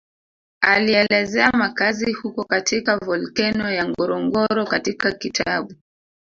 Alielezea makazi huko katika volkeno ya Ngorongoro katika kitabu